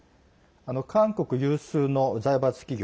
韓国有数の財閥企業